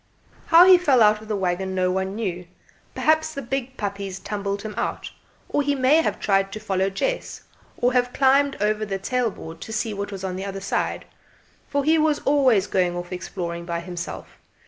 How he fell out of the waggon no one knew; perhaps the big puppies tumbled him out, or he may have tried to follow Jess, or have climbed over the tail board to see what was the other side, for he was always going off exploring by himself.